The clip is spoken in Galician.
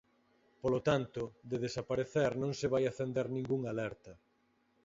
Polo tanto, de desaparecer non se vai acender ningunha alerta.